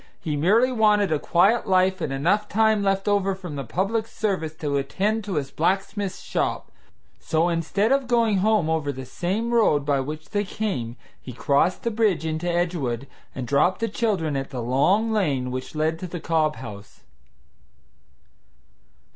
He merely wanted a quiet life and enough time left over from the public service to attend to his blacksmith's shop; so instead of going home over the same road by which they came he crossed the bridge into Edgewood and dropped the children at the long lane which led to the Cobb house.